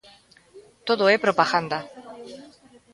Todo é propaganda.